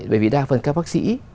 bởi vì đa phần các bác sĩ